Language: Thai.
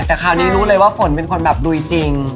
แต่คราวนี้รู้เลยว่าฝนเป็นคนแบบลุยจริง